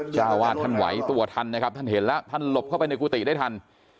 เจ้าวาดท่านไหวตัวทันนะครับท่านเห็นแล้วท่านหลบเข้าไปในกุฏิได้ทัน